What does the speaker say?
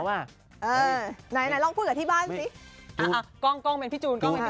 หน่อยลองพูดกับที่บ้านสิกล้องเมนพี่จูน